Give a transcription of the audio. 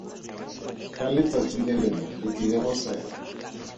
Ka letsatsi le lengwe re tlile go seka.